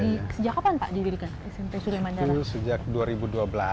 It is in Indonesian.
sejak kapan pak diberikan smp suriamandala